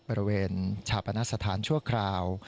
บริเวณชาปนสถานชั่วคราว